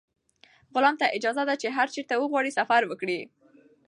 غلام ته اجازه ده چې هر چېرته وغواړي سفر وکړي.